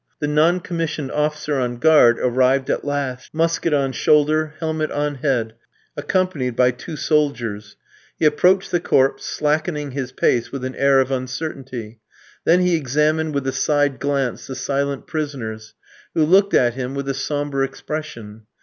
The non commissioned officer on guard arrived at last, musket on shoulder, helmet on head, accompanied by two soldiers; he approached the corpse, slackening his pace with an air of uncertainty. Then he examined with a side glance the silent prisoners, who looked at him with a sombre expression.